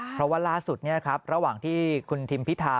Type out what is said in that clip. เพราะว่าล่าสุดระหว่างที่คุณทิมพิธา